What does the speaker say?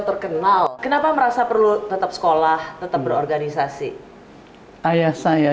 terkenal kenapa merasa perlu tetap sekolah tetap berorganisasi ayah saya